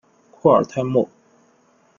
库尔泰莫。